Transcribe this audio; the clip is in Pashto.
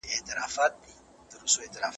موږ د سولې او پوهي پلویان یو.